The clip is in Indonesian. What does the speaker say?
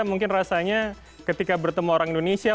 mungkin rasanya ketika bertemu orang indonesia